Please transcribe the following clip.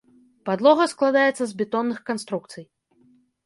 Падлога складаецца з бетонных канструкцый.